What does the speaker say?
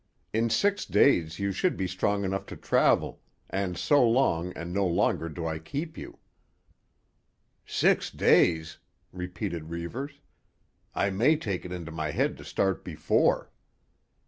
In six days you should be strong enough to travel, and so long and no longer do I keep you." "Six days?" repeated Reivers. "I may take it into my head to start before."